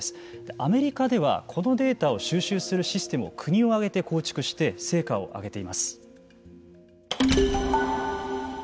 アメリカではこのデータを収集するシステムを国を挙げて構築して成果を上げています。